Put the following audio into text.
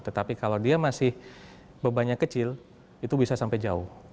tetapi kalau dia masih bebannya kecil itu bisa sampai jauh